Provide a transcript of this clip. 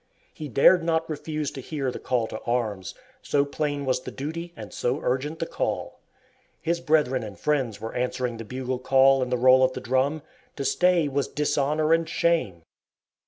He dared not refuse to hear the call to arms, so plain was the duty and so urgent the call. His brethren and friends were answering the bugle call and the roll of the drum. To stay was dishonor and shame!